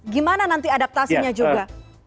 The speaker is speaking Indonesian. gimana nanti adaptasinya juga